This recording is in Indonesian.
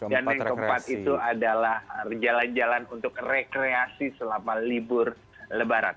dan yang keempat itu adalah jalan jalan untuk rekreasi selama libur lebaran